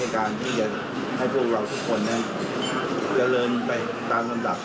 ฮั่นตรนะฮะทุกอย่าง